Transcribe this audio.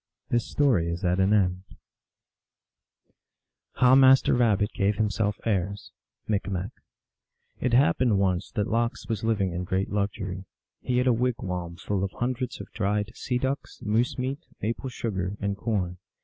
This story is at an end. ADVENTURES OF MASTER RABBIT. 225 VI. How Master Rabbit gave himself Airs. (Micmac.) It happened once that Lox was living in great lux ury. He had a wigwam full of hundreds of dried sea ducks, moose meat, maple sugar, and corn.